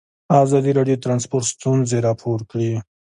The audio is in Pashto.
ازادي راډیو د ترانسپورټ ستونزې راپور کړي.